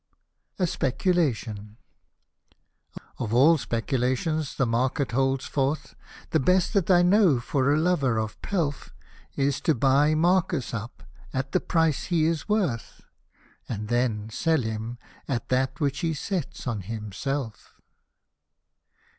A SPECULATION Of all speculations the market holds forth. The best that I know for a lover of pelf, Is to buy Marcus up, at the price he is worth, And then sell him at that which he sets on himself.